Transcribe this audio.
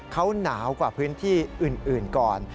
เขาหนาวกว่าพื้นที่อื่นก่อน